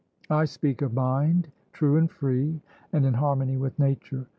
I speak of mind, true and free, and in harmony with nature.